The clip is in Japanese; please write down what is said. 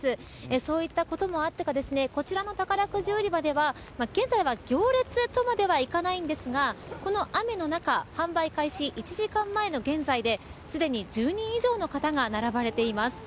そういったこともあってかこちらの宝くじ売り場では現在は、行列とまではいかないんですがこの雨の中販売開始１時間前の現在ですでに１０人以上の方が並ばれています。